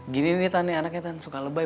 gini nih tante anaknya suka lebay